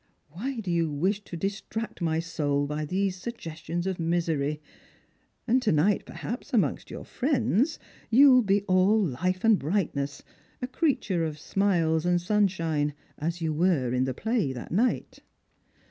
Why do you wish to distract my soul by these suggestions of misery ? And to night, perhaps, amongst your friends, you will be all life and brightness — a creature of smiles and sunshine — as you were in the play that night."